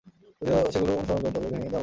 যদি সেগুলো অনুসরণ করেন তবে ভেঙ্গে দেওয়া হবে।